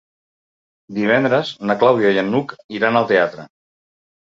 Divendres na Clàudia i n'Hug iran al teatre.